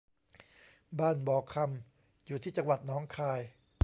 บ้านบ่อคำอยู่ที่จังหวัดหนองคาย